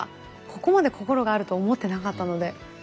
ここまで心があると思ってなかったので。